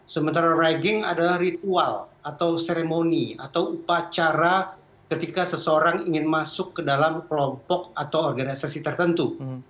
sementara ragging adalah ritual atau seremoni atau upacara ketika seseorang ingin masuk ke dalam kelompok atau organisasi tertentu